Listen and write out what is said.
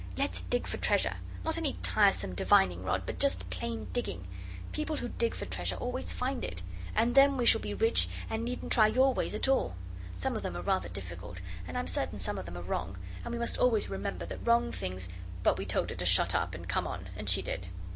Let's dig for treasure. Not any tiresome divining rod but just plain digging. People who dig for treasure always find it. And then we shall be rich and we needn't try your ways at all. Some of them are rather difficult: and I'm certain some of them are wrong and we must always remember that wrong things ' But we told her to shut up and come on, and she did.